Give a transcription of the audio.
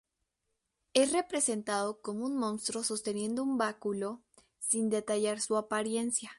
Es representado como un monstruo sosteniendo un báculo, sin detallar su apariencia.